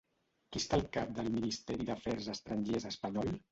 Qui està al cap del Ministeri d'Afers Estrangers espanyol?